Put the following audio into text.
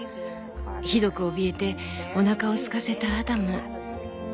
ひどくおびえておなかをすかせたアダム」。